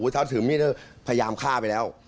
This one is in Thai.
ถ้าถึงนี่พยายามฆ่าไปแล้ว